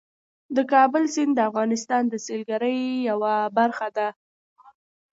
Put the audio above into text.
د کابل سیند د افغانستان د سیلګرۍ یوه برخه ده.